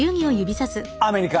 アメリカ！